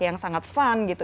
yang sangat fun gitu